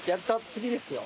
次ですよ。